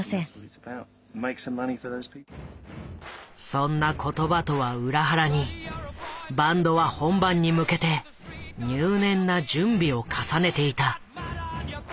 そんな言葉とは裏腹にバンドは本番に向けて入念な準備を重ねていた。